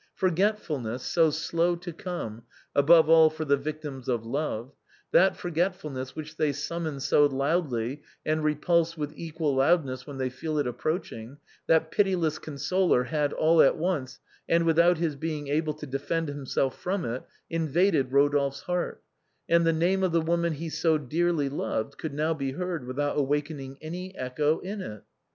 Forgetfulness, so slow to come — above all for the victims of love — that forgetful ness which they summon so loudly and repulse with equal loudness when they feel it approaching, that pitiless con soler had all at once, and without his being able to defend himself from it, invaded Rodolphe's heart, and the name of the woman he so dearly loved could now be heard with out awakening any echo in it.